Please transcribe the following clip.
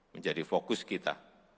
menjadi fokus kita